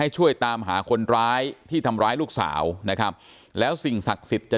ช่วยตามหาคนร้ายที่ทำร้ายลูกสาวนะครับแล้วสิ่งศักดิ์สิทธิ์จะ